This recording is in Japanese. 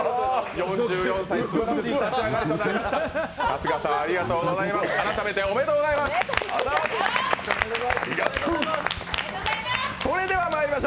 ４４歳、すばらしいスタートとなりました。